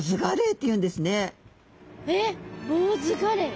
えっボウズガレイ。